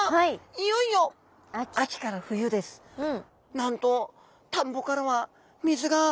いよいよなんと田んぼからは水が。